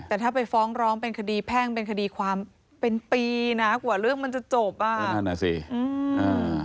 แต่ถ้าไปฟ้องร้องเป็นคดีแพ่งเป็นคดีความเป็นปีนะกว่าเรื่องมันจะจบอ่ะนั่นอ่ะสิอืมอ่า